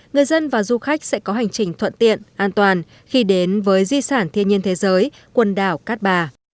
người dân và du khách sẽ có hành trình thuận tiện an toàn khi đến với di sản thiên nhiên thế giới quần đảo cát bà